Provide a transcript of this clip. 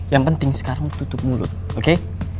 yang penting sekarang tutup mulut oke